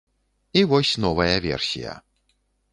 І вось новая версія.